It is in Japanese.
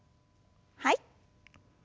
はい。